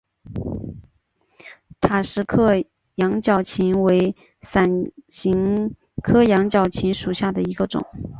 塔什克羊角芹为伞形科羊角芹属下的一个种。